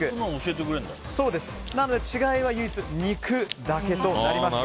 なので違いは唯一肉だけとなります。